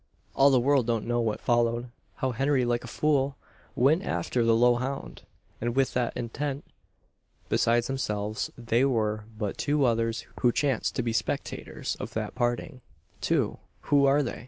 "All the world don't know what followed: how Henry, like a fool, went after the low hound, and with what intent. Besides themselves, there were but two others who chanced to be spectators of that parting." "Two who were they?"